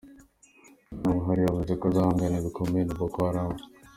Bwana Buhari yavuze ko azohangana bikomeye na Boko Haram.